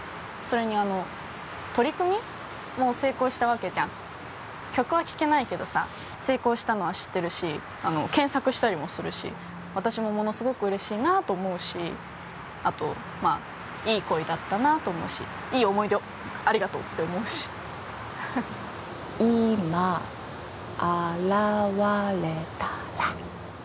それにあの取り組み？も成功したわけじゃん曲は聴けないけどさ成功したのは知ってるしあの検索したりもするし私もものすごく嬉しいなと思うしあとまあいい恋だったなと思うしいい思い出をありがとうって思うし今現れたら？